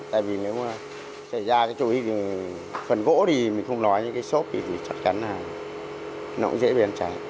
tại vì nếu mà xảy ra cái chỗ ý phần gỗ thì mình không nói nhưng cái xốp thì chắc chắn là nó cũng dễ bị ăn cháy